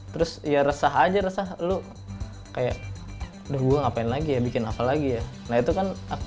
terimakasih juga ada fb nya jadi s mountainbah